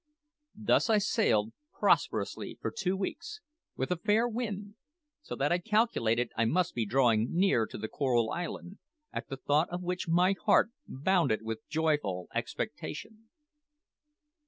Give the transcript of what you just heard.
Thus I sailed prosperously for two weeks, with a fair wind, so that I calculated I must be drawing near to the Coral Island, at the thought of which my heart bounded with joyful expectation.